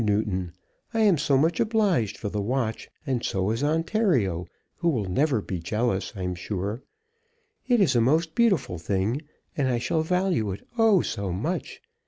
NEWTON, I am so much obliged for the watch, and so is Ontario, who will never be jealous, I'm sure. It is a most beautiful thing, and I shall value it, oh! so much.